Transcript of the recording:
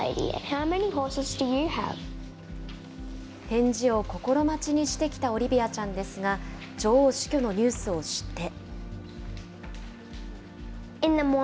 返事を心待ちにしてきたオリビアちゃんですが、女王死去のニュースを知って。